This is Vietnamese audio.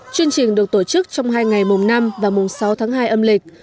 chương trình được tổ chức trong hai ngày mùng năm và mùng sáu tháng hai âm lịch